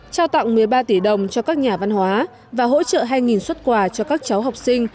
trao tặng một mươi ba tỷ đồng cho các nhà văn hóa và hỗ trợ hai xuất quà cho các cháu học sinh